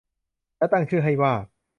และตั้งชื่อให้ว่า